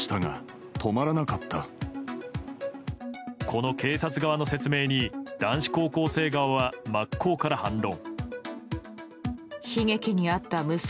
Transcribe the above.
この警察側の説明に男子高校生側は真っ向から反論。